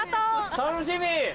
・楽しみ！